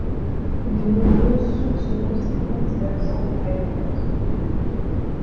De nombreuses sources d'eau s'écoulent des versants de Eïn-Hemed.